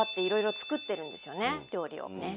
料理をね。